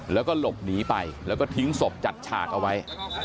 แล้วก็หลบหนีไปแล้วก็ทิ้งศพจัดฉากเอาไว้